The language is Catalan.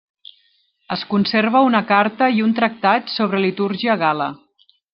Es conserva una carta i un tractat sobre litúrgia gal·la.